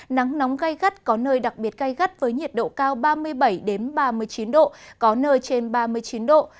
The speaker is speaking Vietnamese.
nắng nóng gây gắt có nơi đặc biệt gai gắt với nhiệt độ cao ba mươi bảy ba mươi chín độ có nơi trên ba mươi chín độ